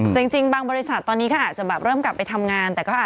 ดูไม่สุขภาพเท่าไหร่นะครับ